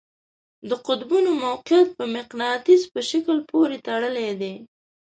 د قطبونو موقیعت په مقناطیس په شکل پورې تړلی دی.